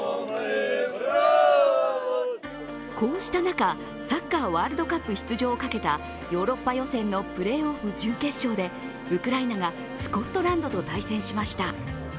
こうした中、サッカーワールドカップ出場を懸けたヨーロッパ予選のプレーオフ準決勝でウクライナがスコットランドと対戦しました。